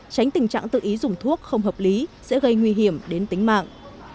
tránh tình trạng tự ý dùng thuốc không hợp lý sẽ gây nguy hiểm đến tính mạng